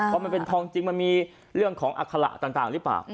เพราะมันเป็นทองจริงมันมีเรื่องของอัคระต่างหรือเปล่า